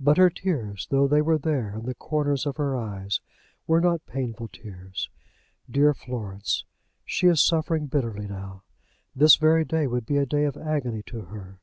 But her tears, though they were there in the corners of her eyes, were not painful tears. Dear Florence! She was suffering bitterly now. This very day would be a day of agony to her.